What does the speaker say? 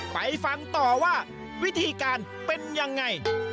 ไปฟังต่อว่าวิธีการเป็นยังไง